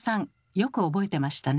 よく覚えてましたね。